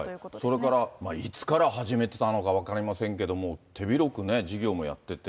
それから、いつから始めてたのか分かりませんけども、手広く事業もやってて。